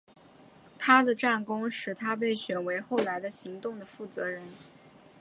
他的战功使他被选为后来的行动的负责人。